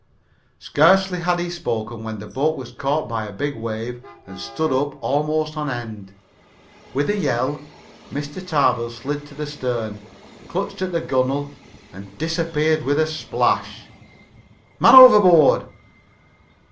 Scarcely had he spoken when the boat was caught by a big wave and stood up almost on end. With a yell Mr. Tarbill slid to the stern, clutched at the gunwale, and disappeared with a splash. "Man overboard!"